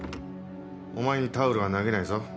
お前にタオルは投げないぞ。